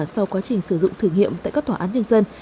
sau quá trình sử dụng thử nghiệm tại các tòa án nhân dân